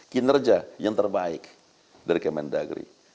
kinerja yang terbaik dari main dagri